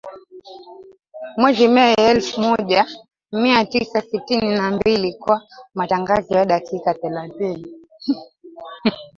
Mwezi Mei elfu moja mia tisa sitini na mbili kwa matangazo ya dakika thelathini